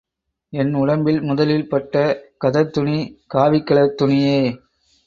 என் உடம்பில் முதலில் பட்ட கதர் துணி காவிக்கலர் துணியே.